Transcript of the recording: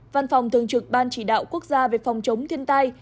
văn phòng thường trực ban chỉ đạo quốc gia về phòng chống thiên tai